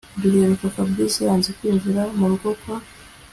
Duheruka Fabric yanze kwinjira murugo kwa